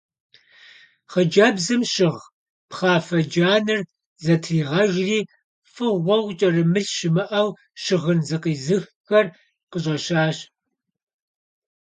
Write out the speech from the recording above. Хъыджэбзым щыгъ пхъафэ джанэр зытригъэжри фӀыгъуэу кӀэрымылъ щымыӀэу щыгъын зыкъизыххэр къыщӀэщащ.